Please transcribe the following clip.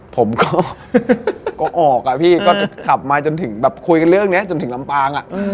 ผมก็ออกอะพี่ก็ขับมาจนถึงแบบคุยกันเรื่องนี้จนถึงลำปาง